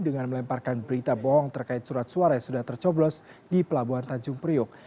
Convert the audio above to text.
dengan melemparkan berita bohong terkait surat suara yang sudah tercoblos di pelabuhan tanjung priok